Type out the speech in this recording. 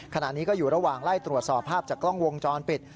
ขณะนี้ก็อยู่ระหว่างไล่ตรวจสอบภาพจากกล้องวงจรปิด